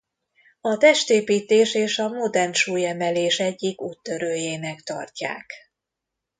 A testépítés és a modern súlyemelés egyik úttörőjének tartják.